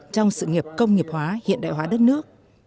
trong sự nghiệp công nghiệp hóa hiện đại hóa đất nước